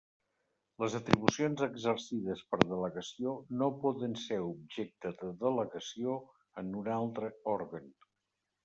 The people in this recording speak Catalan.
Les atribucions exercides per delegació no poden ser objecte de delegació en un altre òrgan.